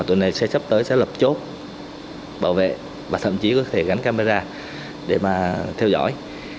tuần này sẽ sắp tới sẽ lập chốt bảo vệ và thậm chí có thể gắn camera để mà theo dõi